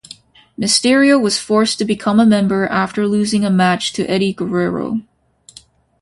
Mysterio was forced to become a member after losing a match to Eddie Guerrero.